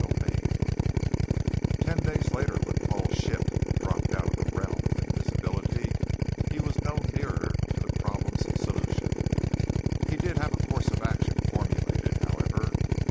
CHAPTER 7 Ten days later when Paul's ship dropped out of the realm of invisibility, he was no nearer to the problem's solution. He did have a course of action formulated, however.